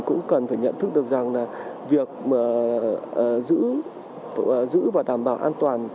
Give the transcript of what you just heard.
cũng cần nhận thức được việc giữ và đảm bảo an toàn